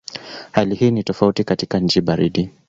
Hali hii ni tofauti katika nchi baridi.